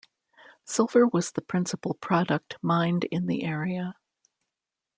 Silver was the principal product mined in the area.